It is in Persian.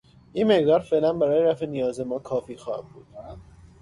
این مقدار فعلا برای رفع نیازهای ما کافی خواهد بود.